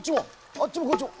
あっちもこっちも。